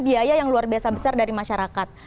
biaya yang luar biasa besar dari masyarakat